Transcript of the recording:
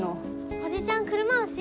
おじちゃん車押し？